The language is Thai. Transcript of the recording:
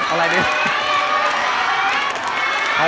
อะไรดิ